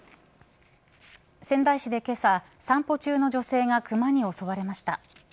仙台市でけさ、散歩中の女性がクマに襲われました。